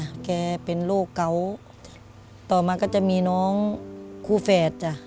แกเป็นโรคเก่าต่อมาก็จะมีน้องคู่แฝดจ้ะ